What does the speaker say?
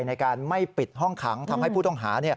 ในการไม่ปิดห้องขังทำให้ผู้ต้องหา